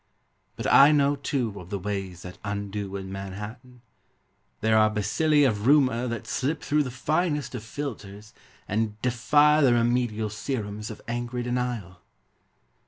But I know, too, of the ways That undo in Manhattan. There are bacilli of rumor That slip through the finest of filters And defy the remedial serums Of angry denial.